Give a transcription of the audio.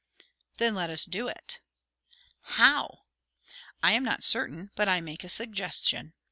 "Then let us do it." "How?" "I am not certain; but I make a suggestion.